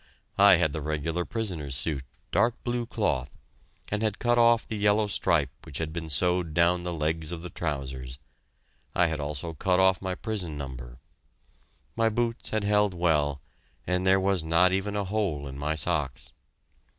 I had the regular prisoner's suit, dark blue cloth, and had cut off the yellow stripe which had been sewed down the legs of the trousers; I had also cut off my prison number. My boots had held well, and there was not even a hole in my socks.